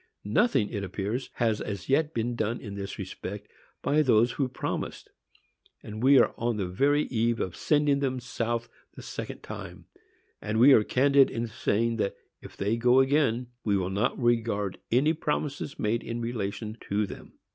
Nothing, it appears, has as yet been done in this respect by those who promised, and we are on the very eve of sending them south the second time; and we are candid in saying that, if they go again, we will not regard any promises made in relation to them.